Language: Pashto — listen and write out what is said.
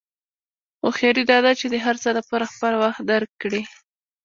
هوښیاري دا ده چې د هر څه لپاره خپل وخت درک کړې.